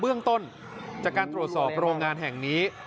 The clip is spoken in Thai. เบื้องต้นจากการตรวจสอบโรงงานแห่งนี้